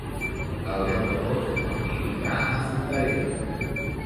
El deu d'agost en Nil irà a Fondarella.